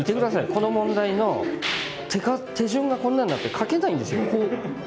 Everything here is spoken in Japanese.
この問題の手順がこんなんなって書けないんですよ。